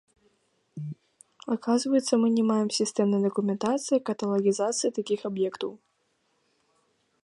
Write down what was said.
Аказваецца, мы не маем сістэмнай дакументацыі, каталагізацыі такіх аб'ектаў.